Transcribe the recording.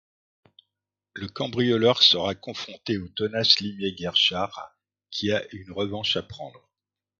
Le cambrioleur sera confronté au tenace limier Guerchard qui a une revanche à prendre.